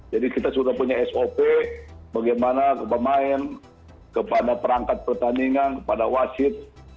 jadi kita sudah punya sop bagaimana pemain kepada perangkat pertandingan kepada wasit